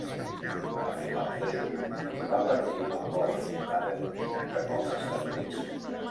A finals de juny, va partir del golf d'Aden cap als Estats Units.